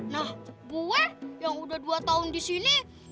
nah buwe yang udah dua tahun disini